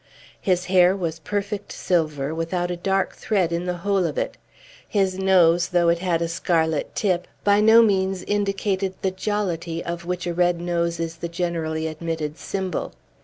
His hair was perfect silver, without a dark thread in the whole of it; his nose, though it had a scarlet tip, by no means indicated the jollity of which a red nose is the generally admitted symbol.